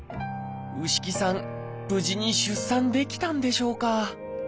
無事に出産できたんでしょうか？